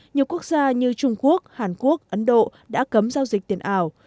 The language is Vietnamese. nhiều quốc gia như trung quốc hàn quốc ấn độ đã cấm giao dịch tiền ảo